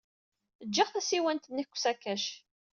Jjiɣ tasiwant-nnek deg usakac.